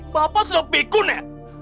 bapak sudah pikun ya